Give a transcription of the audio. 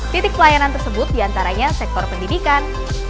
titik pelayanan tersebut diantaranya sektor pendidikan